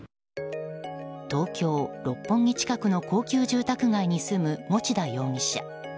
東京・六本木近くの高級住宅街に住む持田容疑者。